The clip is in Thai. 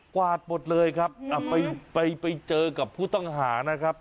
กวาดหมดเลยครับไปเจอกับผู้ต้องหานะครับ